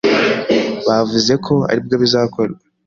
bavuze ko aribwo bizakorwa